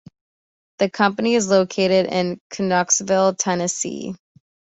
The company is located in Knoxville, Tennessee.